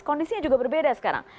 kondisinya juga berbeda sekarang